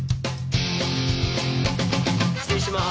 失礼しまーす。